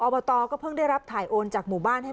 อบตก็เพิ่งได้รับถ่ายโอนจากหมู่บ้านให้